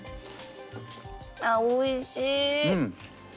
ああおいしい！